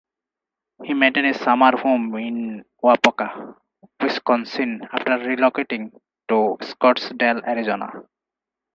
He maintained a summer home in Waupaca, Wisconsin after relocating to Scottsdale, Arizona.